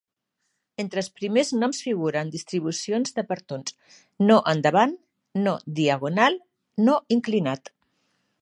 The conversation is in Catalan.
Entre els primers noms figuren distribucions de partons "no endavant", "no diagonal" o "no inclinat".